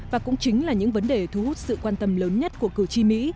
và cũng chính là những vấn đề thu hút sự quan tâm lớn nhất của cử tri mỹ